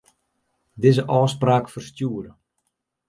Dizze ôfspraak ferstjoere.